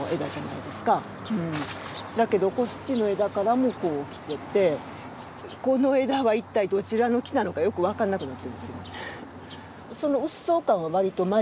だけどこっちの枝からもこう来ててこの枝は一体どちらの木なのかよく分かんなくなってんですよ。